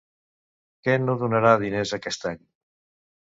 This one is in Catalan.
Què no donarà diners aquest any?